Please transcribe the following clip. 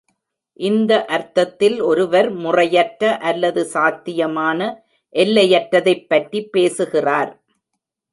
இந்த அர்த்தத்தில் ஒருவர் முறையற்ற அல்லது சாத்தியமான எல்லையற்றதைப் பற்றி பேசுகிறார்.